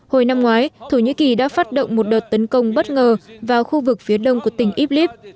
hồi năm ngoái thổ nhĩ kỳ đã phát động một đợt tấn công bất ngờ vào khu vực phía đông của tỉnh iblis